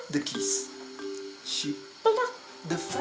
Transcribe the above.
dia membeli kisahnya